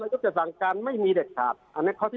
มันก็จะสั่งการไม่มีเลยครับอันนั้นข้อที่๑